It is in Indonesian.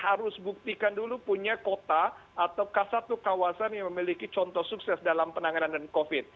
harus buktikan dulu punya kota ataukah satu kawasan yang memiliki contoh sukses dalam penanganan covid